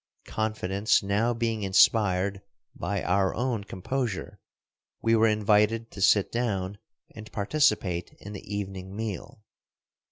Confidence now being inspired by our own composure, we were invited to sit down and participate in the evening meal.